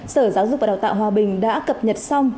sở giáo dục và đào tạo hòa bình đã cập nhật xong